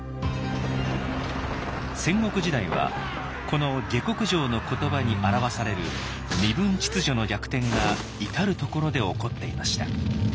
戦国時代はこの「下剋上」の言葉に表される身分秩序の逆転が至る所で起こっていました。